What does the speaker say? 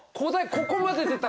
ここまで出た